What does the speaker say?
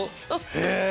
へえ！